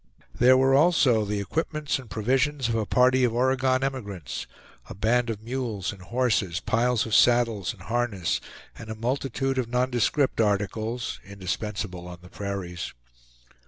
There were also the equipments and provisions of a party of Oregon emigrants, a band of mules and horses, piles of saddles and harness, and a multitude of nondescript articles, indispensable on the prairies.